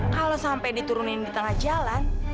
kalau sampai diturunin di tengah jalan